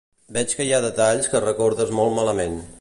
Veig que hi ha detalls que recordes molt malament.